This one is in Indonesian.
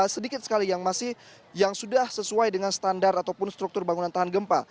sedikit sekali yang masih yang sudah sesuai dengan standar ataupun struktur bangunan tahan gempa